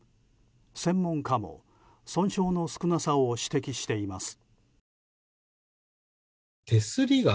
専門家も損傷の少なさを指摘しています。